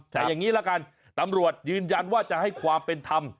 แต่อย่างนี้ละกันตำรวจยืนยันว่าจะให้ความเป็นธรรม